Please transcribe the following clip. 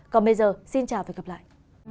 còn bây giờ xin chào và hẹn gặp lại